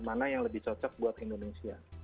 mana yang lebih cocok buat indonesia